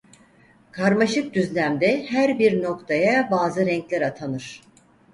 Karmaşık düzlemde her bir noktaya bazı renkler atanır.